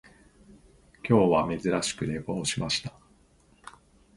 今日は珍しく寝坊しました